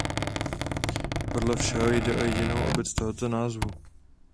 Podle všeho jde o jedinou obec tohoto názvu.